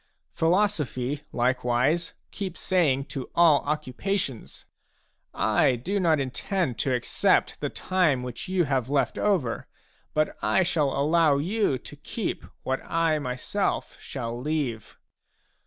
Philosophy like wise keeps saying to all occupations :" I do not in tend to accept the time which you have left over, but I shall allow you to keep what I myself shall leave."